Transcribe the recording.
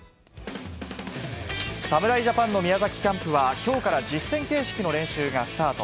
侍ジャパンの宮崎キャンプは、きょうから実戦形式の練習がスタート。